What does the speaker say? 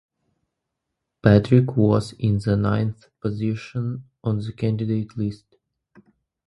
Petrik was in the ninth position on the candidate list.